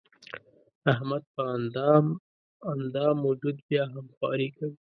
احمد په اندام اندام وجود بیا هم خواري کوي.